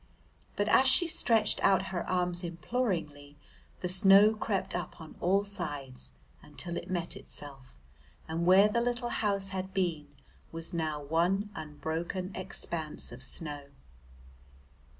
But as she stretched out her arms imploringly the snow crept up on all sides until it met itself, and where the little house had been was now one unbroken expanse of snow.